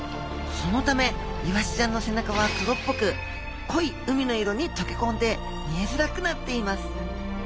そのためイワシちゃんの背中は黒っぽくこい海の色にとけこんで見えづらくなっています